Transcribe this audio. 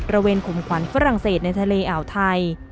เวนขุมขวัญฝรั่งเศสในทะเลอ่าวไทย